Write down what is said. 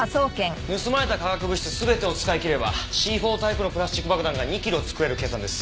盗まれた化学物質全てを使い切ればＣ４タイプのプラスチック爆弾が２キロ作れる計算です。